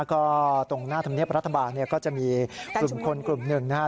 ก็ตรงหน้าธรรมเนียบรัฐบาลเนี่ยก็จะมีกลุ่มคนกลุ่มหนึ่งนะครับ